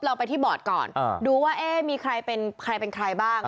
เราไปที่บอร์ดก่อนดูว่ามีใครเป็นใครเป็นใครบ้าง